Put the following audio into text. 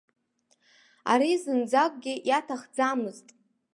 Ари зынӡакгьы иаҭахӡамызт.